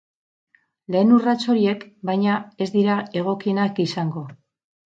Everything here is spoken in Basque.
Lehen urrats horiek, baina, ez dira egokienak izango.